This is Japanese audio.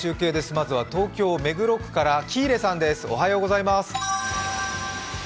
まずは東京・目黒区から喜入さんです。